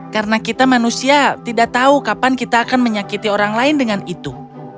karena kita manusia tidak tahu kapan kita akan menyakiti orang lain dengan itu